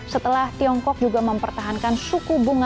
setelah tiongkok juga mempertahankan suku bunga